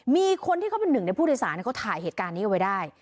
มีคนที่เขาเป็นหนึ่งในผู้โดยสารเขาถ่ายเหตุการณ์นี้เอาไว้ได้